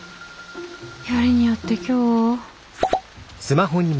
よりによって今日？